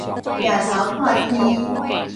攑頭看天